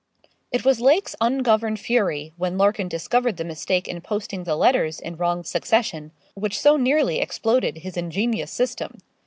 It was Lake's ungoverned fury, when Larkin discovered the mistake in posting the letters in wrong succession, which so nearly exploded his ingenious system.